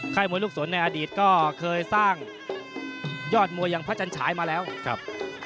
มวยลูกสนในอดีตก็เคยสร้างยอดมวยอย่างพระจันฉายมาแล้วครับ